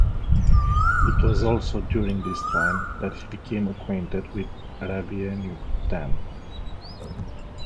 It was also during this time that he became acquainted with Rabbeinu Tam.